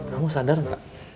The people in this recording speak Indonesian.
kamu sadar nggak